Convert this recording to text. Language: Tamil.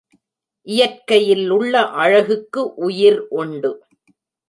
இயற்கையில் உள்ள அழகுக்கு உயிர் உண்டு.